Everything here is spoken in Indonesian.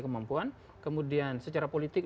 kemampuan kemudian secara politik